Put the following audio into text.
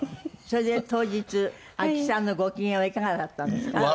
それで当日阿木さんのご機嫌はいかがだったんですか？